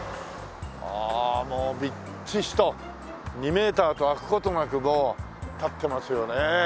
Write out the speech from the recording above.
あもうびっちしと２メーターと空く事なくもう建ってますよね。